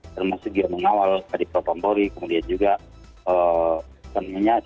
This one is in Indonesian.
termasuk yang mengawal kadipro pampuri kemudian juga semuanya